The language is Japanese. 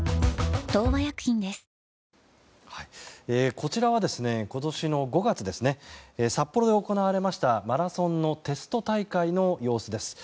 こちらは今年の５月に札幌で行われました、マラソンのテスト大会の様子です。